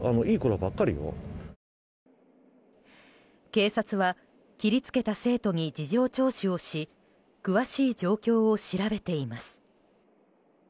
警察は切り付けた生徒に事情聴取をし詳しい状況を調べています。